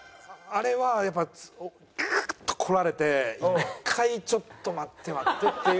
あれはやっぱグーッとこられて１回ちょっと待って待ってっていうあの天。